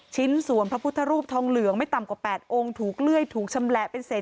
ชิ้นส่วนพระพุทธรูปทองเหลืองไม่ต่ำกว่า๘องค์ถูกเลื่อยถูกชำแหละเป็นเศษ